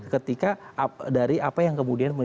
ketika dari apa yang kemudian